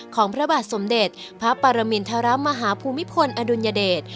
ของพระบาทสมเด็จพระปรมินทรมาฮภูมิพลอดุลยเดช